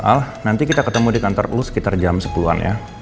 al nanti kita ketemu di kantor lu sekitar jam sepuluh an ya